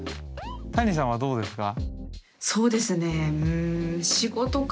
たにさんはどうですか？